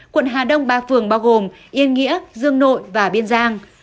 quận hà đông ba phường bao gồm yên nghĩa dương nội và biên giang